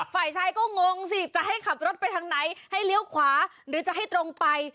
ฝ่ายชายก็งงสิจะให้ขับรถไปทางไหนให้เลี้ยวขวาหรือจะให้ตรงไป